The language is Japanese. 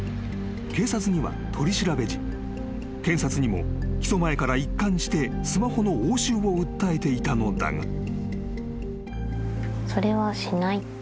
［警察には取り調べ時検察にも起訴前から一貫してスマホの押収を訴えていたのだが］